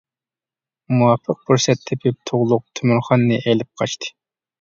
مۇۋاپىق پۇرسەت تېپىپ تۇغلۇق تۆمۈرخاننى ئېلىپ قاچتى.